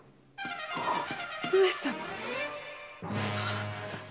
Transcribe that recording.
上様！